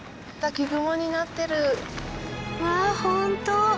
うわ本当。